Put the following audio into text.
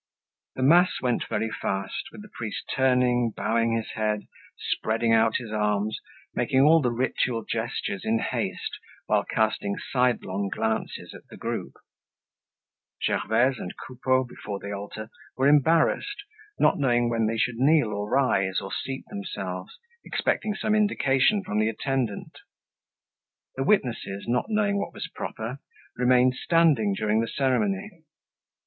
The mass went very fast, with the priest turning, bowing his head, spreading out his arms, making all the ritual gestures in haste while casting sidelong glances at the group. Gervaise and Coupeau, before the altar, were embarrassed, not knowing when they should kneel or rise or seat themselves, expecting some indication from the attendant. The witnesses, not knowing what was proper, remained standing during the ceremony.